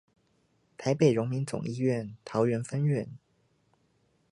台北榮民總醫院桃園分院